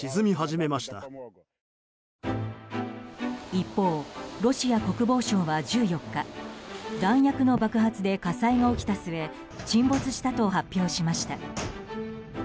一方、ロシア国防省は１４日弾薬の爆発で火災が起きた末沈没したと発表しました。